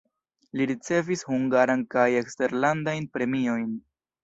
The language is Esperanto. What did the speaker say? Li ricevis hungaran kaj eksterlandajn premiojn.